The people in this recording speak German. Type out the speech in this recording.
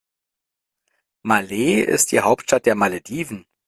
Malé ist die Hauptstadt der Malediven.